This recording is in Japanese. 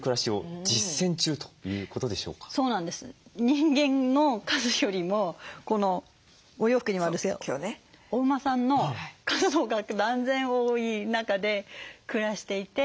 人間の数よりもこのお洋服にもあるんですけどお馬さんの数のほうが断然多い中で暮らしていて。